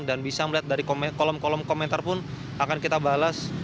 dan bisa melihat dari kolom kolom komentar pun akan kita balas